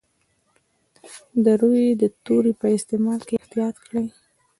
د روي د توري په استعمال کې احتیاط کړی.